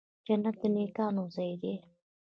جنت د نیکانو ځای دی